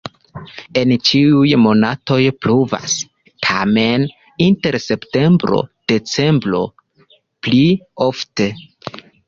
En ĉiuj monatoj pluvas, tamen inter septembro-decembro pli ofte.